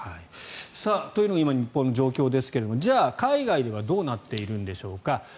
というのが今、日本の状況ですがじゃあ、海外ではどうなっているんでしょうか。